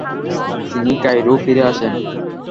তিনি কায়রো ফিরে আসেন।